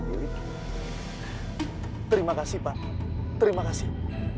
terima kasih pak terima kasih